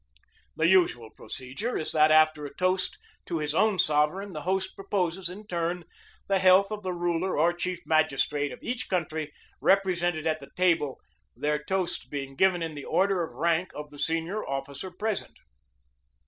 The usual procedure is that, after a toast to his own sovereign, the host proposes, in turn, the health of the ruler or chief mag istrate of each country represented at the table, these toasts being given in the order of rank of the senior officer present.